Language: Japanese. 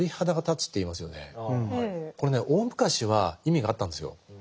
これね大昔は意味があったんですよ。